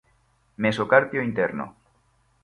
Mesocarpio interno.